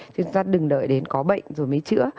chúng ta đừng đợi đến có bệnh rồi mới chữa